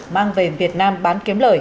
mang về việt nam bán kiếm lời